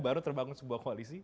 baru terbangun sebuah koalisi